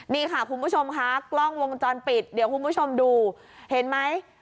นี่ค่ะคุณผู้ชมค่ะกล้องวงจรปิดเดี๋ยวคุณผู้ชมดูเห็นไหม